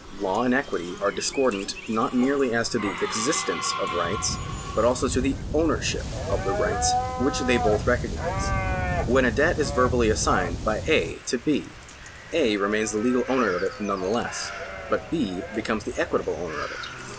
Law and equity are discordant not merely as to the existence of rights, but also as to the ownership of the rights which they both recog nise. When a debt is verbally assigned by A. to B., A. remains the legal owner of it none the less, but B. becomes the equitable owner of it.